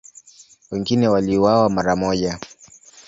Wengine waliuawa mara moja.